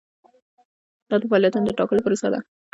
دا د فعالیتونو د ټاکلو پروسه ده.